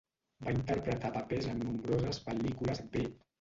Va interpretar papers en nombroses pel·lícules B.